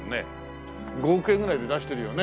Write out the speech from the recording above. ５億円ぐらいで出してるよね？